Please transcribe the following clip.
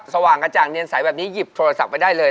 สว่างกระจ่างเนียนใสแบบนี้หยิบโทรศัพท์ไปได้เลย